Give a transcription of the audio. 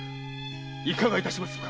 いかがいたしますか？